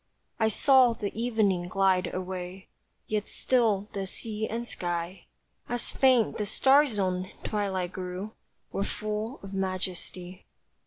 I saw the evening glide away, Yet still the sea and sky, As faint the star zoned twilight grew, Were full of majesty.